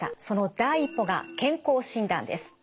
その第一歩が健康診断です。